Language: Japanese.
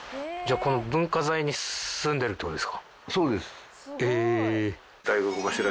じゃあこの文化財に住んでるってことですか？